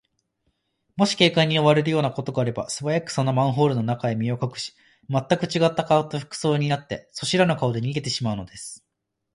もし警官に追われるようなことがあれば、すばやく、そのマンホールの中へ身をかくし、まったくちがった顔と服装とになって、そしらぬ顔で逃げてしまうのです。